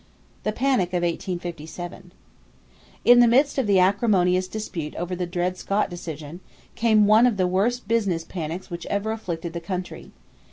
=The Panic of 1857.= In the midst of the acrimonious dispute over the Dred Scott decision, came one of the worst business panics which ever afflicted the country.